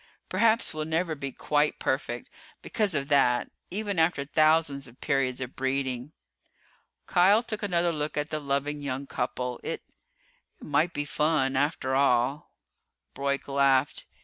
Perhaps we'll never be quite perfect, because of that, even after thousands of periods of breeding." Kial took another look at the loving young couple. "It it might be fun, after all." Broyk laughed.